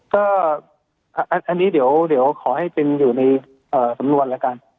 ก็อันนี้เดี๋ยวขอให้จึงอยู่ในสำนวนแล้วกัน